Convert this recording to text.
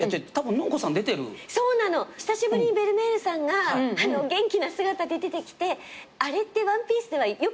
久しぶりにベルメールさんが元気な姿で出てきてあれって『ワンピース』ではよくあることなんでしょ？